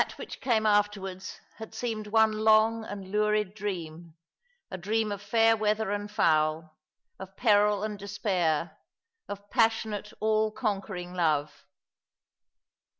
That which came afterwards had seemed one long and lurid dream — a dream of fair weather and foul ; of peril and despair ; of passionate, all conquering love.